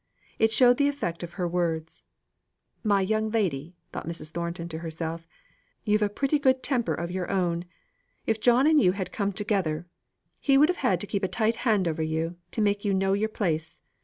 It showed the effect of her words. "My young lady," thought Mrs. Thornton to herself; "you've a pretty good temper of your own. If John and you had come together, he would have had to keep a tight hand over you, to make you know your place.